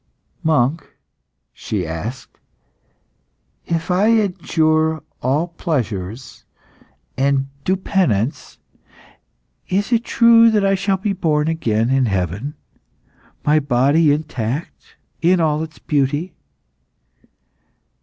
"Monk," she asked, "if I adjure all pleasures and do penance, is it true that I shall be born again in heaven, my body intact in all its beauty?"